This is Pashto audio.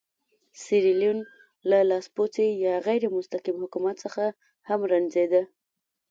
سیریلیون له لاسپوڅي یا غیر مستقیم حکومت څخه هم رنځېده.